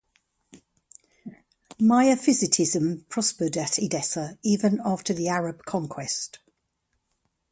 Miaphysitism prospered at Edessa, even after the Arab conquest.